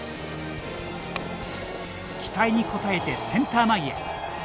期待に応えて、センター前へ。